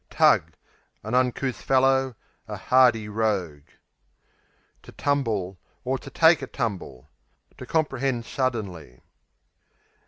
Tug An uncouth fellow; a hardy rogue. Tumble to, or to take a tumble To comprehend suddenly.